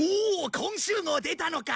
今週号出たのか。